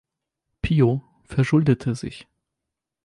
Pio verschuldete sich.